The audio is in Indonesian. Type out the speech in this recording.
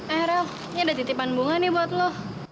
eh rel ini ada titipan bunga nih buat lo